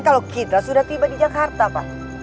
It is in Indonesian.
kalau kita sudah tiba di jakarta pak